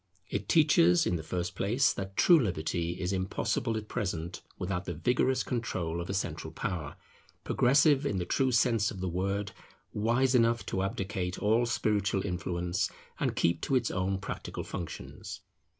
It teaches in the first place, that true liberty is impossible at present without the vigorous control of a central power, progressive in the true sense of the word, wise enough to abdicate all spiritual influence, and keep to its own practical functions.